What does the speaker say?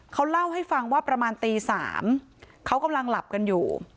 เขาเล่าให้ฟังว่าประมาณตี๓เขากำลังหลับกันอยู่